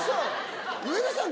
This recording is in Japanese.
上田さん！